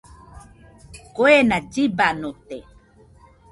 Kuena llibanote.